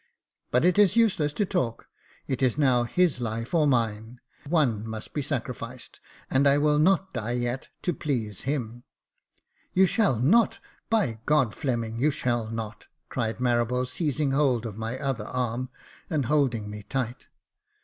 but it is use less to talk ; it is now his life or mine. One must be sacrificed, and I will not die yet to please him." " You shall not — by God, Fleming, you shall not !" cried Marables, seizing hold of my other arm, and holding me tight.